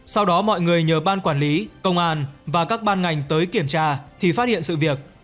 sau đó mọi người nhờ ban quản lý công an và các ban ngành tới kiểm tra thì phát hiện sự việc